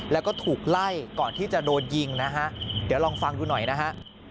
แล้วก็ถูกไล่ก่อนที่จะโดนยิงนะฮะเดี๋ยวลองฟังดูหน่อยนะฮะ